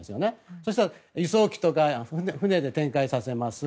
そうしたら輸送機とか船で展開させます